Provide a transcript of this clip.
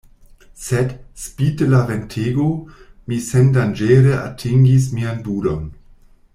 Sed, spite la ventego, mi sendanĝere atingis mian budon.